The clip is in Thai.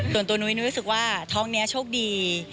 ส่วนตัวนุ้ยนุ้ยรู้สึกว่าท้องนี้โชคดี